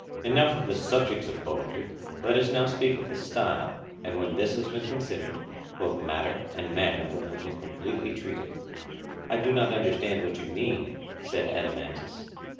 Enough of the subjects of poetry: let us now speak of the style; and when this has been considered, both matter and manner will have been completely treated. I do not understand what you mean, said Adeimantus.